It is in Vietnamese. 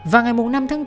và ngày năm tháng bốn